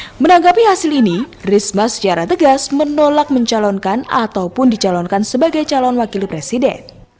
untuk menanggapi hasil ini risma secara tegas menolak mencalonkan ataupun dicalonkan sebagai calon wakil presiden